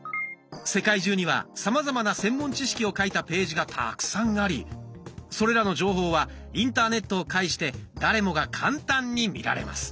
世界中にはさまざまな専門知識を書いたページがたくさんありそれらの情報はインターネットを介して誰もが簡単に見られます。